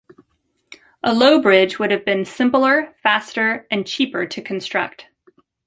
A low bridge would have been simpler, faster, and cheaper to construct.